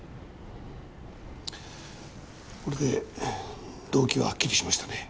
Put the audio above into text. これで動機ははっきりしましたね。